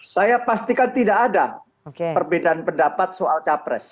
saya pastikan tidak ada perbedaan pendapat soal cawa press